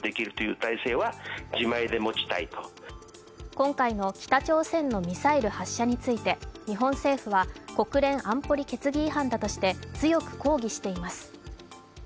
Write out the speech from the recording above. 今回の北朝鮮のミサイル発射について日本政府は、国連安保理決議違反だとして強く抗議しています。